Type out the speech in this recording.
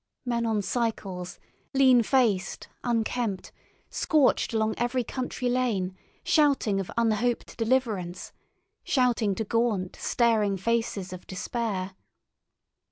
Men on cycles, lean faced, unkempt, scorched along every country lane shouting of unhoped deliverance, shouting to gaunt, staring figures of despair.